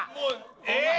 えっ！